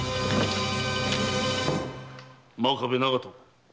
真壁長門。